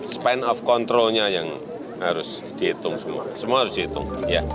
span of controlnya yang harus dihitung semua semua harus dihitung